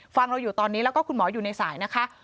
เราอยู่ตอนนี้แล้วก็คุณหมออยู่ในสายนะคะ